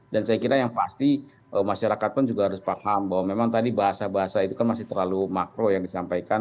dan saya kira yang pasti masyarakat pun juga harus paham bahwa memang tadi bahasa bahasa itu kan masih terlalu makro yang disampaikan